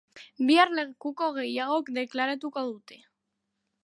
Bihar lekuko gehiagok deklaratuko dute.